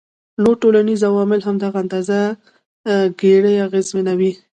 نور ټولنیز عوامل هم دغه اندازه ګيرۍ اغیزمنوي